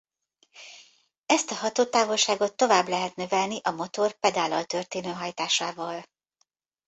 Ezt a hatótávolságot tovább lehet növelni a motor pedállal történő hajtásával.